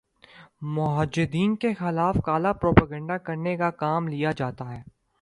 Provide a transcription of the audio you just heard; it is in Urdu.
مجاہدین کے خلاف کالا پروپیگنڈا کرنے کا کام لیا جاتا ہے